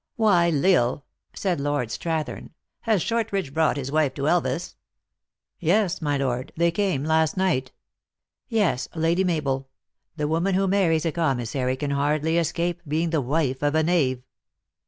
"Why L Isle," said Lord Strathern, " has Shortridge brought his wife to Elvas?" " Yes, my lord, they came last night. Yes, Lady Mabel ; the woman who marries a commissary can hardly escape being the wife of a knave